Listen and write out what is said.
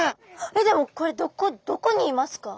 でもこれどこにいますか？